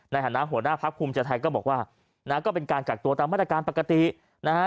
ในฐานะหัวหน้าพักภูมิใจไทยก็บอกว่านะก็เป็นการกักตัวตามมาตรการปกตินะฮะ